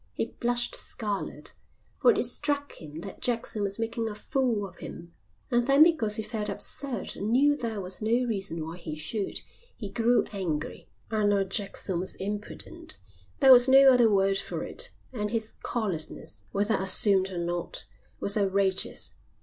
He blushed scarlet, for it struck him that Jackson was making a fool of him, and then because he felt absurd and knew there was no reason why he should he grew angry. Arnold Jackson was impudent there was no other word for it and his callousness, whether assumed or not, was outrageous.